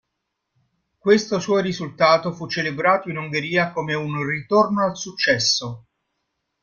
Questo suo risultato fu celebrato in Ungheria come un "ritorno al successo".